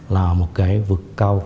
là một cái vực cao